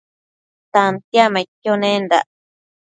Tantiacmaidquio nendac